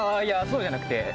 いやそうじゃなくて。